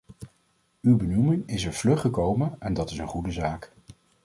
Uw benoeming is er vlug gekomen en dat is een goede zaak.